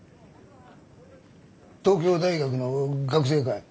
東京大学の学生かい？